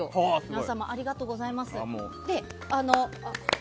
皆様、ありがとうございます。